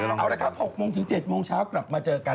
เอาละครับ๖โมงถึง๗โมงเช้ากลับมาเจอกัน